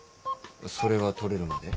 それが取れるまで。